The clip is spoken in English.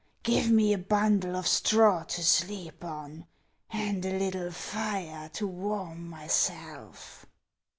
Give me a bundle of straw to sleep on, and a little fire to warm myself."